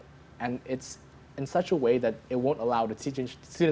dan itu dengan cara yang tidak akan membenci para pelajar